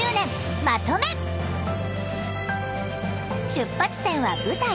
出発点は舞台。